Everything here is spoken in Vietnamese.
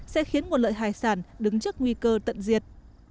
sẽ khiến một lợi hải sản đứng trước nguy cơ tận diệt